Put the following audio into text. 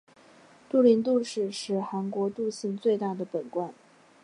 杜陵杜氏是韩国杜姓最大的本贯。